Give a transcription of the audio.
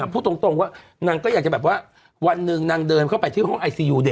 พูดตรงว่านางก็อยากจะแบบว่าวันหนึ่งนางเดินเข้าไปที่ห้องไอซียูเด็ก